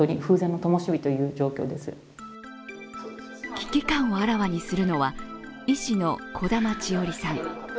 危機感をあらわにするのは医師の小玉千織さん。